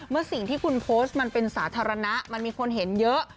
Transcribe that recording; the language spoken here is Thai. เมื่อสิ่งที่คุณโพสต์มันเป็นสาธารณะมันมีคนเห็นเยอะ